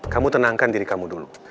kamu tenangkan diri kamu dulu